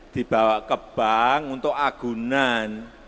dibawa ke bank untuk agunan